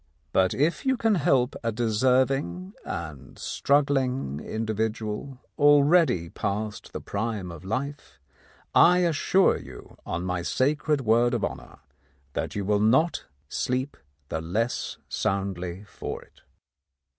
But if you can help a deserving and struggling in dividual already past the prime of life, I assure you, on my sacred word of honour, that you will not sleep the less soundly for it.